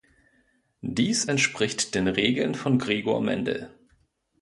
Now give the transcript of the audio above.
Dies entspricht den Regeln von Gregor Mendel.